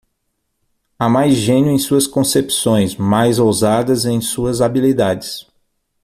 Há mais gênio em suas concepções, mais ousadas em suas habilidades.